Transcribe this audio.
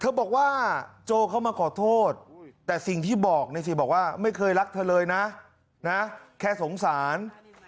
เธอบอกว่าโจเข้ามาขอโทษแต่สิ่งที่บอกไม่เคยรักเธอเลยนะแค่สงสาร